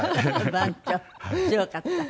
強かった。